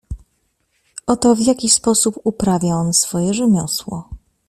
"Oto w jaki sposób uprawia on swoje rzemiosło."